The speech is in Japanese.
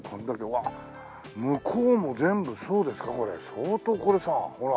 相当これさほら。